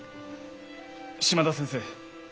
島田先生